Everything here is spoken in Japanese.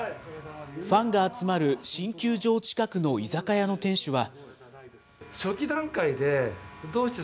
ファンが集まる新球場近くの居酒屋の店主は。